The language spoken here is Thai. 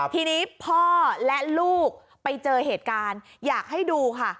ทีนี้พ่อและลูกไปเจอเหตุการณ์อยากให้ดูค่ะ